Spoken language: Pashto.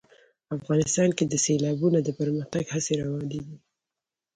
افغانستان کې د سیلابونه د پرمختګ هڅې روانې دي.